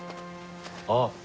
あっ。